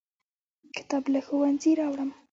کتاب له ښوونځي راوړم.